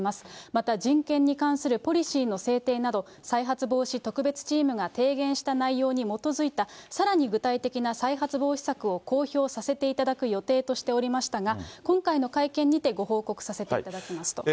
また、人権に関するポリシーの制定など、再発防止特別チームが提言した内容に基づいた、さらに具体的な再発防止策を公表させていただく予定としておりましたが、今回の会見にてご報告させていただきますと。